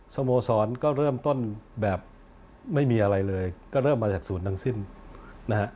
สโมสรเริ่มต้นแบบไม่มีอะไรเลยก็เริ่มมาจากสูตรดังสิ้น